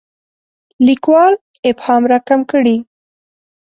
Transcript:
لیکوال ابهام راکم کړي.